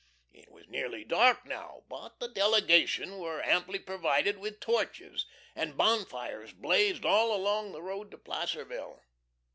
It was nearly dark now, but the delegation were amply provided with torches, and bonfires blazed all along the road to Placerville.